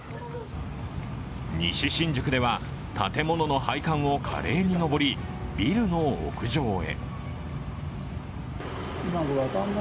西新宿では、建物の配管を華麗に上り、ビルの屋上へ。